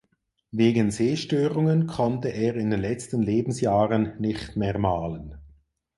Wegen Sehstörungen konnte er in den letzten Lebensjahren nicht mehr malen.